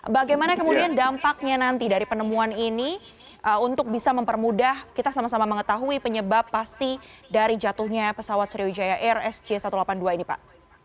bagaimana kemudian dampaknya nanti dari penemuan ini untuk bisa mempermudah kita sama sama mengetahui penyebab pasti dari jatuhnya pesawat sriwijaya air sj satu ratus delapan puluh dua ini pak